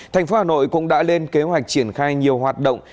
tp hà nội cũng đã lên kế hoạch triển khai nhiều hoạt động